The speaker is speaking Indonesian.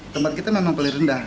tempat kita memang paling rendah